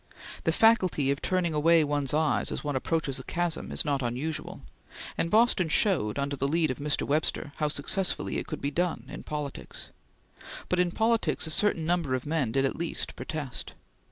The faculty of turning away one's eyes as one approaches a chasm is not unusual, and Boston showed, under the lead of Mr. Webster, how successfully it could be done in politics; but in politics a certain number of men did at least protest.